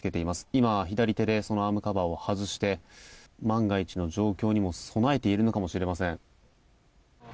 今、左手でそのアームカバーを外して万が一の状況に備えているのかもしれません。